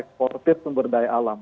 eksportir sumber daya alam